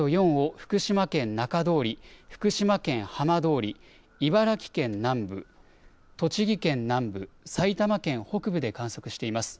また震度４を福島県中通り、福島県浜通り、茨城県南部、栃木県南部、埼玉県北部で観測しています。